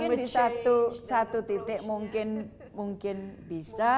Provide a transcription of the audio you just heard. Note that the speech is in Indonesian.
mungkin satu titik mungkin bisa